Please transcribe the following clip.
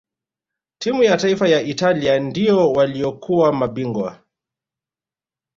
timu ya taifa ya italia ndio waliokuwa mabingwa